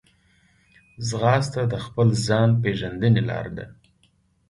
ځغاسته د خپل ځان پېژندنې لار ده